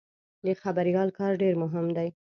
د خبریال کار ډېر مهم دی.